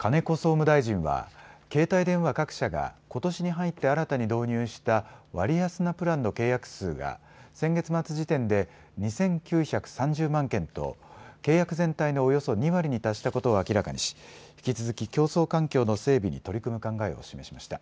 総務大臣は携帯電話各社がことしに入って新たに導入した割安なプランの契約数が先月末時点で２９３０万件と契約全体のおよそ２割に達したことを明らかにし引き続き競争環境の整備に取り組む考えを示しました。